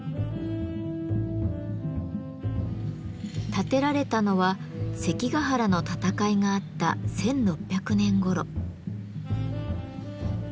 建てられたのは関ヶ原の戦いがあった１６００年ごろ。